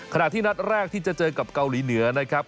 ขณะที่นัดแรกที่จะเจอกับเกาหลีเหนือนะครับ